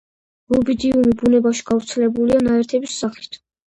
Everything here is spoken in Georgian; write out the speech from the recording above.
რუბიდიუმი ბუნებაში გავრცელებულია ნაერთების სახით.